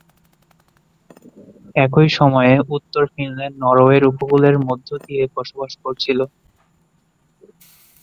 একই সময়ে, উত্তর ফিনল্যান্ড নরওয়ের উপকূলের মধ্য দিয়ে বসবাস করছিল।